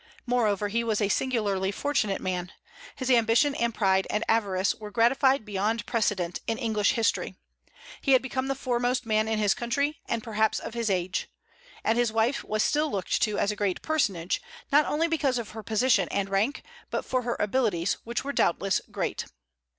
Moreover, he was a singularly fortunate man. His ambition and pride and avarice were gratified beyond precedent in English history. He had become the foremost man in his country, and perhaps of his age. And his wife was still looked to as a great personage, not only because of her position and rank, but for her abilities, which were doubtless great.